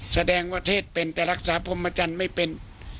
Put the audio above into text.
แสดงว่าเทศเป็นแต่รักษาพรมจันทร์ไม่เป็น